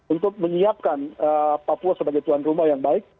untuk menyiapkan papua sebagai tuan rumah yang baik